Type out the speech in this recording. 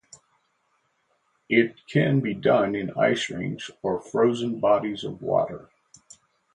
It can be done in ice rinks or frozen bodies of water.